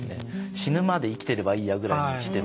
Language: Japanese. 死ぬまで生きてればいいやぐらいにしてます。